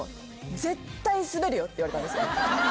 絶対スベるよ」って言われたんですよ。